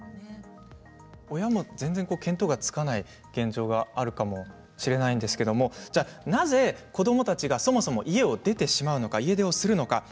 親も全然見当がつかない状況があるかもしれないんですけれどなぜ子どもたちがそもそも家を出てしまうのか家出をするのか。